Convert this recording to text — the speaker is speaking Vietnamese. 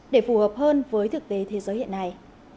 để phù hợp hơn với thực tế thế giới hiện nay